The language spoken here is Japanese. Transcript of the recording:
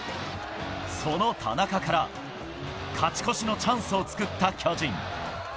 その田中から、勝ち越しのチャンスを作った巨人。